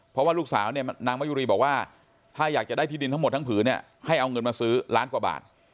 เพราะว่าลูกสาวเนี่ยนางมะยุรีบอกว่าถ้าอยากจะได้ที่ดินทั้งหมดทั้งผืนเนี่ยให้เอาเงินมาซื้อล้านกว่าบาท